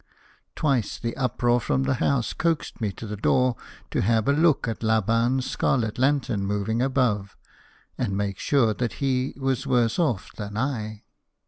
Twice the uproar from the house coaxed me to the door to have a look at Laban's scarlet lantern moving above, and make sure that he was worse off than I.